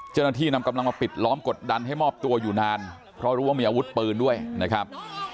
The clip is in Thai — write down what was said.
เจ้าหน้าที่นำกำลังมาปิดล้อมกดดันให้มอบตัวอยู่นานเพราะรู้ว่ามีอาวุธปืนด้วยนะครับ